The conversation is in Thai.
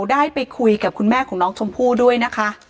ได้ไปคุยกับคุณแม่ของน้องชมพู่ด้วยนะคะ